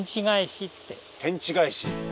天地返し。